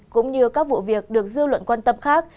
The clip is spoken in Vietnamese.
cũng như các vụ việc được dư luận quan tâm khác